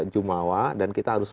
jumawa dan kita harus